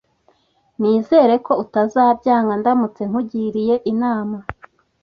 Nizere ko utazabyanga ndamutse nkugiriye inama.